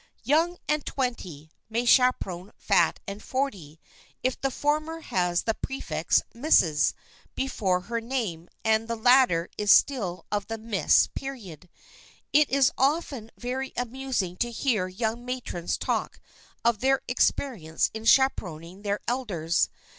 "Young and twenty" may chaperon "fat and forty" if the former has the prefix "Mrs." before her name and the latter is still of the "Miss" period. It is often very amusing to hear young matrons talk of their experience in chaperoning their elders.